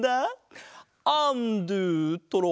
アンドゥトロワ。